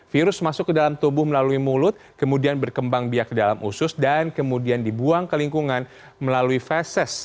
virus masuk ke dalam tubuh melalui mulut kemudian berkembang biak ke dalam usus dan kemudian dibuang ke lingkungan melalui fesis